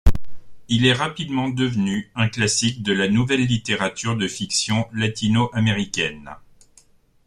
Il est rapidement devenu un classique de la nouvelle littérature de fiction latino-américaine.